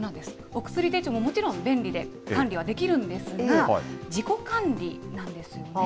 お薬手帳ももちろん便利で、管理はできるんですが、自己管理なんですよね。